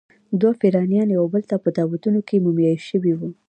دوه فرعونیان یوبل ته په تابوتونو کې مومیایي شوي وو.